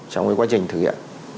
trong cái quá trình thực hiện